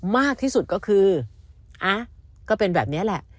มากที่สุดก็คือก็เป็นแบบนี้แหละ